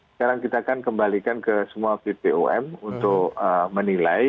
sekarang kita akan kembalikan ke semua bpom untuk menilai